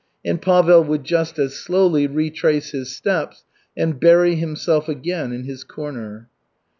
And Pavel would just as slowly retrace his steps and bury himself again in his corner.